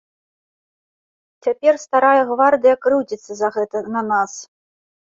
Цяпер старая гвардыя крыўдзіцца за гэта на нас.